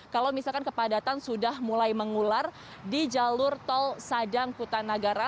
kalau misalkan kepadatan sudah mulai mengular di jalur tol sadang kuta nagara